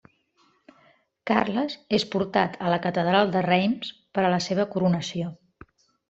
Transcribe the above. Carles és portat a la catedral de Reims per a la seua coronació.